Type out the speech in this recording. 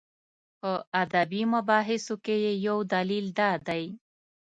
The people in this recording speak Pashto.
په ادبي مباحثو کې یې یو دلیل دا دی.